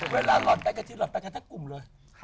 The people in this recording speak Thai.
หล่อนไปกับทีหล่อนไปกันทั้งกลุ่มเลย